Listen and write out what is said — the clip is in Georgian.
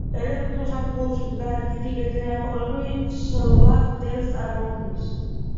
ელექტროსადგურში მდგარი დიდი გენერატორები ცვლად დენს წარმოქმნის.